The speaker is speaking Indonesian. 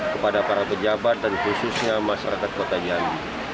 kepada para pejabat dan khususnya masyarakat kota jambi